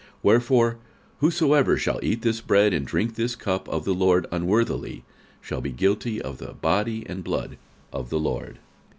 46:011:027 Wherefore whosoever shall eat this bread, and drink this cup of the Lord, unworthily, shall be guilty of the body and blood of the Lord.